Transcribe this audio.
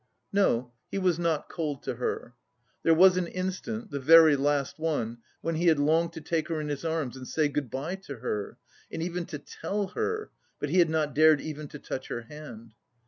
No, he was not cold to her. There was an instant (the very last one) when he had longed to take her in his arms and say good bye to her, and even to tell her, but he had not dared even to touch her hand.